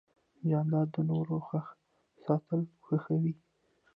جانداد د نورو خوښ ساتل خوښوي.